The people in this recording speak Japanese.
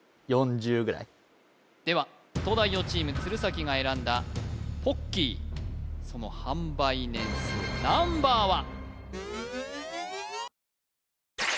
では東大王チーム鶴崎が選んだポッキーその販売年数ナンバーは？